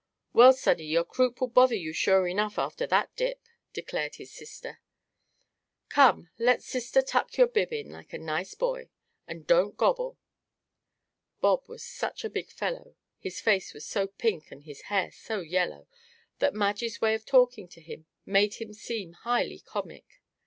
"Well, sonny, your croup will bother you sure enough, after that dip," declared his sister. "Come! let sister tuck your bib in like a nice boy. And don't gobble!" Bob was such a big fellow his face was so pink, and his hair so yellow that Madge's way of talking to him made him seem highly comic.